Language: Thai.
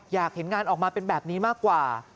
อยากเห็นงานออกมาเป็นแบบนี้มากกว่า